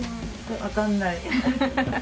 分かんない。